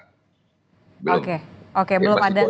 masih gosip di luaran saja nih belum gosip di dalam